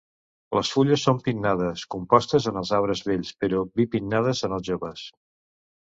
Les fulles són pinnades compostes en els arbres vells però bipinnades en els joves.